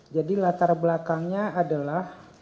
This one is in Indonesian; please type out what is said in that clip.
jadi latar belakangnya adalah